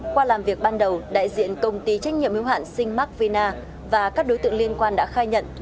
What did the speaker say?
qua làm việc ban đầu đại diện công ty trách nhiệm hiếu hạn sinh mac vina và các đối tượng liên quan đã khai nhận